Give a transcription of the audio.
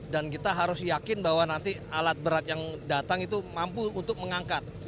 dan kita harus yakin bahwa nanti alat berat yang datang itu mampu untuk mengangkat